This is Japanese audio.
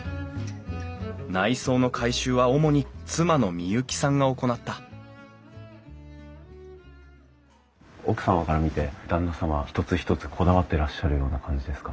内装の改修は主に妻の美雪さんが行った奥様から見て旦那様は一つ一つこだわってらっしゃるような感じですか？